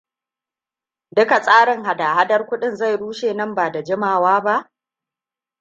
Duka tsarin hadahadar kuɗin zai rushe nan bada jimawa ba?